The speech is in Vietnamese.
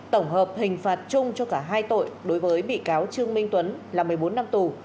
tổng hợp hình phạt chung cho cả hai tội đối với bị cáo trương minh tuấn là một mươi bốn năm tù